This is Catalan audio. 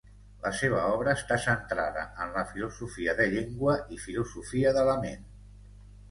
La seva obra està centrada en la filosofia de llengua i Filosofia de la ment.